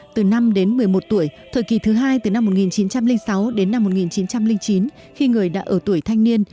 từ năm đến một mươi một tuổi thời kỳ thứ hai từ năm một nghìn chín trăm linh sáu đến năm một nghìn chín trăm linh chín khi người đã ở tuổi thanh niên